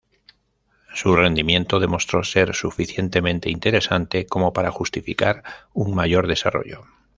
Su rendimiento demostró ser suficientemente interesante como para justificar un mayor desarrollo.